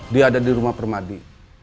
dia ada di rumah permadi